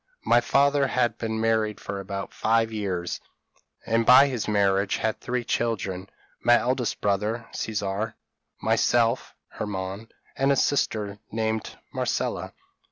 My father had been married for about five years; and by his marriage had three children my eldest brother Caesar, myself (Hermann), and a sister named Marcella.